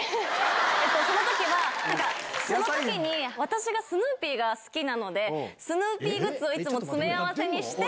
そのときはなんか、そのときに、わたしがスヌーピーが好きなので、スヌーピーグッズをいつも詰め合わせにして。